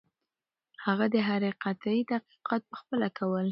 هغه د هرې قطعې تحقیقات پخپله کول.